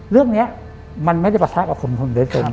เรื่องนี้มันไม่ได้ประสาทกับของผมเดินตรง